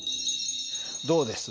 どうです？